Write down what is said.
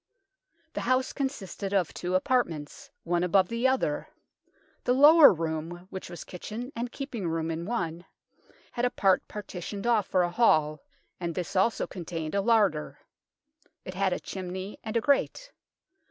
The house consisted of two apartments, one above the other. The lower room, which was kitchen and keeping room in one, had a part partitioned off for a hall, and this also contained a larder. It had a chimney and a grate.